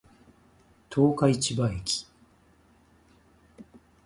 十日市場駅